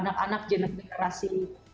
yang juga game berisi